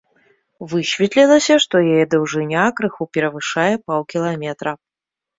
Высветлілася, што яе даўжыня крыху перавышае паўкіламетра.